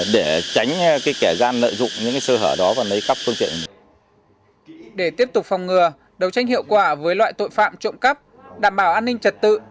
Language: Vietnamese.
để tiếp tục phòng ngừa đấu tranh hiệu quả với loại tội phạm trộm cắp đảm bảo an ninh trật tự